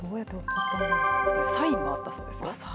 サインがあったそうですよ。